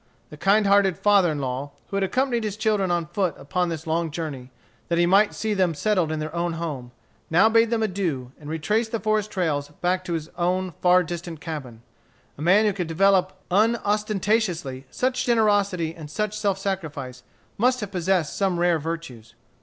The kind hearted father in law, who had accompanied his children on foot upon this long journey, that he might see them settled in their own home, now bade them adieu, and retraced the forest trails back to his own far distant cabin. A man who could develop, unostentatiously, such generosity and such self sacrifice, must have possessed some rare virtues.